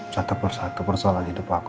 satu persatu persoalan hidup aku